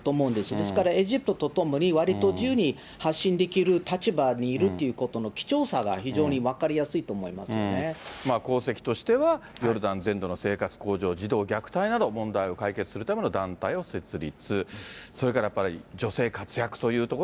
ですからエジプトとともに、わりと自由に発信できる立場にいるということの貴重さが非常に分功績としては、ヨルダン全土の生活向上、児童虐待など、問題を解決するための団体を設立。